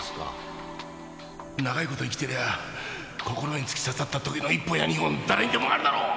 長い事生きてりゃ心に突き刺さった棘の１本や２本誰にでもあるだろう！